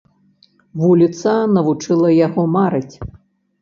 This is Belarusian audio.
Вуліца навучыла яго марыць.